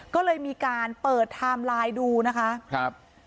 ก็เลยมีการเปิดไทม์ไลน์ดูนะคะครับ